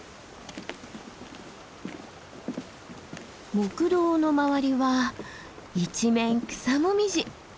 木道の周りは一面草紅葉。